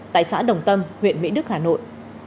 tại xã đồng tâm huyện mỹ đức hà nội